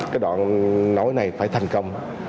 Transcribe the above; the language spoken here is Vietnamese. cái đoạn nối này phải thành công